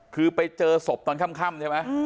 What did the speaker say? คือไปเจอศพตอนค่ำใช่ไหม